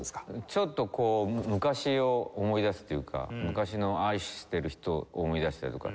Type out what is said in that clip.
ちょっとこう昔を思い出すというか昔の愛している人を思い出したりとか。